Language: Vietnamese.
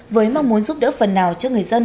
với mong muốn giúp đỡ phần nào cho người dân